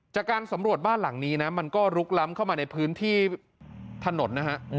จากการสำรวจบ้านหลังนี้นะมันก็ลุกล้ำเข้ามาในพื้นที่ถนนนะฮะ